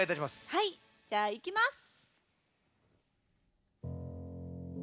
はいじゃあいきます。